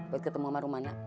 buat ketemu sama rumana